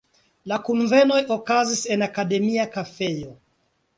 La kunvenoj okazis en Akademia kafejo.